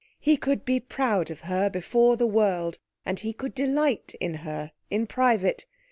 He could be proud of her before the world, and he could delight in her in private.